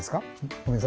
ごめんなさい。